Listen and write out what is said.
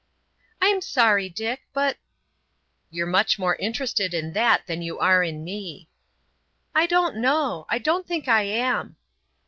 "I'm sorry, Dick, but——" "You're much more interested in that than you are in me." "I don't know, I don't think I am."